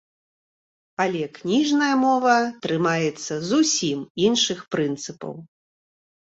Але кніжная мова трымаецца зусім іншых прынцыпаў.